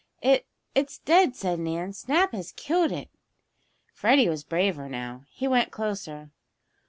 "It it's dead," said Nan. "Snap has killed it." Freddie was braver now. He went closer.